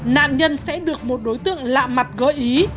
nạn nhân sẽ được một đối tượng lạ mặt gợi ý